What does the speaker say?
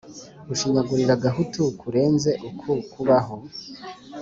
gushinyagurira gahutu kurenze uku kubaho?